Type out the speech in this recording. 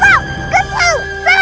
pokoknya kita harus cari cara